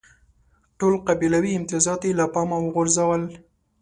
ټول قبیلوي امتیازات یې له پامه وغورځول.